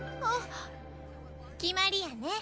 決まりやね。